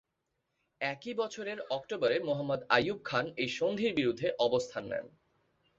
একই বছরের অক্টোবরে মুহাম্মদ আইয়ুব খান এই সন্ধির বিরুদ্ধে অবস্থান নেন।